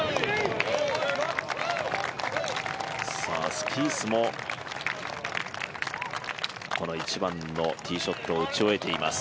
スピースもこの１番のティーショットを打ち終えています。